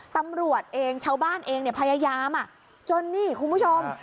ตำรวจเองชาวบ้านเองเนี่ยพยายามจนนี่คุณผู้ชม